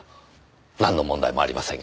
なんの問題もありませんが。